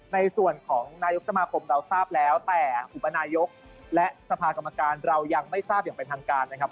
ในส่วนของนายกสมาคมเราทราบแล้วแต่อุปนายกและสภากรรมการเรายังไม่ทราบอย่างเป็นทางการนะครับ